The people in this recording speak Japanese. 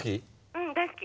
☎うん大好き。